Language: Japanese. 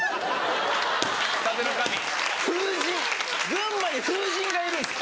群馬に風神がいるんです。